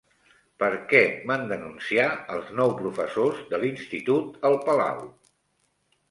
Per què van denunciar els nou professors de l'institut el Palau?